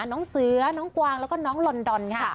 น้องเสือน้องกวางแล้วก็น้องลอนดอนค่ะ